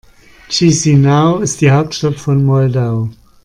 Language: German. Chișinău ist die Hauptstadt von Moldau.